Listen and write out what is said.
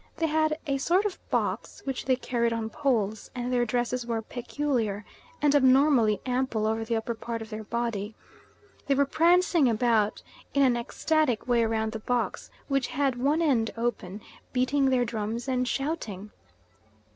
They had a sort of box which they carried on poles, and their dresses were peculiar, and abnormally ample over the upper part of their body. They were prancing about in an ecstatic way round the box, which had one end open, beating their drums and shouting.